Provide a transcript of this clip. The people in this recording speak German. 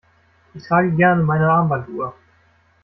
Ich trage gerne meine Armbanduhr.